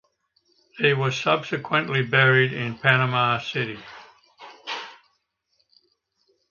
He was subsequently buried in Panama City.